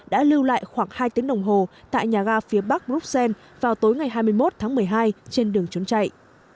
đã lưu lại khoảng hai tiếng đồng hồ tại nhà ga phía bắc bruxelles vào tối ngày hai mươi một tháng một mươi hai trên đường trốn chạy